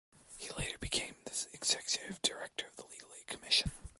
He later became the Executive Director of the Legal Aid Commission.